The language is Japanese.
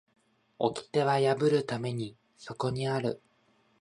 掟は破るためにそこにある